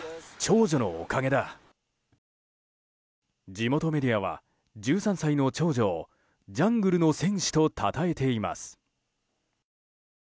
地元メディアは１３歳の長女をジャングルの戦士とたたえています。